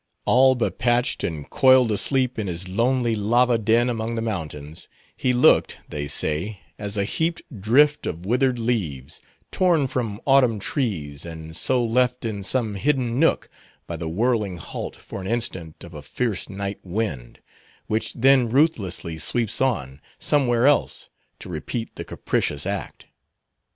All bepatched and coiled asleep in his lonely lava den among the mountains, he looked, they say, as a heaped drift of withered leaves, torn from autumn trees, and so left in some hidden nook by the whirling halt for an instant of a fierce night wind, which then ruthlessly sweeps on, somewhere else to repeat the capricious act.